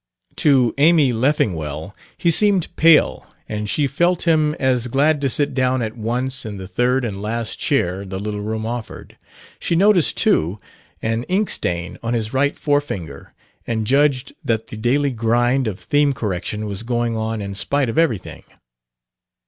To Amy Leffingwell he seemed pale, and she felt him as glad to sit down at once in the third and last chair the little room offered. She noticed, too, an inkstain on his right forefinger and judged that the daily grind of theme correction was going on in spite of everything.